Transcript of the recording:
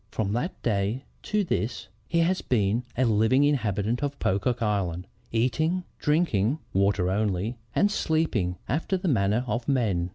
From that day to this, he has been a living inhabitant of Pocock Island, eating, drinking, (water only) and sleeping after the manner of men.